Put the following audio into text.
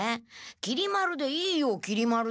きり丸でいいよきり丸で。